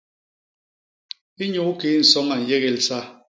Inyukii nsoñ a nyégél sa?